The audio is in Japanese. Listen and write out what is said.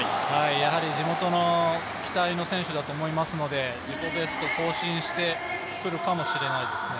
やはり地元の期待の選手だと思いますで自己ベスト更新してくるかもしれないですね。